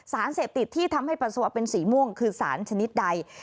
สารเสพติดที่ทำให้ปัสสาวะเป็นสีม่วงคือสารชนิดใด